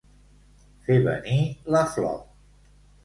Fer venir la flor.